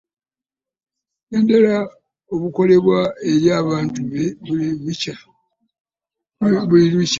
Naddala obukolebwa eri abantu be buli lukya.